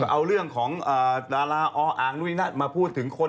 เอาเรื่องของดาราออ่างนุนัทมาพูดถึงคน